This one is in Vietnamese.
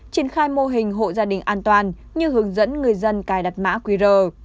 triển khai mô hình hộ gia đình an toàn như hướng dẫn người dân cài đặt mã quy rờ